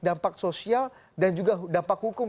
dampak sosial dan juga dampak hukum